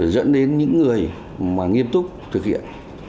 dẫn đến những người mà nghiêm túc thực hiện